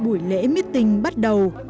buổi lễ mít tình bắt đầu